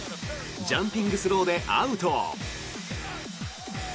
ジャンピングスローでアウト。